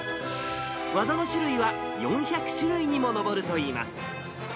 技の種類は４００種類にも上るといいます。